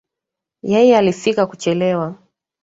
Yeye alifika kuchelewa